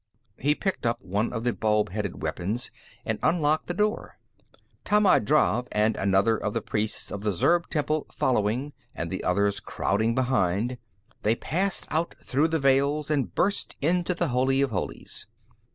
He picked up one of the bulb headed weapons, and unlocked the door. Tammand Drav and another of the priests of the Zurb temple following and the others crowding behind, they passed out through the veils, and burst into the Holy of Holies.